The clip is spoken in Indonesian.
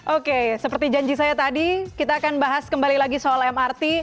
oke seperti janji saya tadi kita akan bahas kembali lagi soal mrt